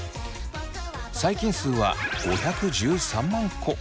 細菌数は５１３万個。